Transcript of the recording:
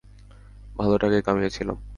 ভালো টাকাই কামিয়েছিলাম।